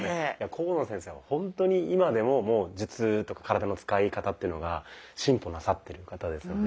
甲野先生はほんとに今でも術とか体の使い方っていうのが進歩なさってる方ですので。